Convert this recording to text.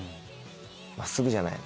真っすぐじゃない。